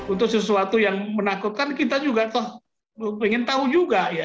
untuk sesuatu yang menakutkan kita juga pengen tahu juga